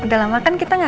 udah lama kan kita ngasih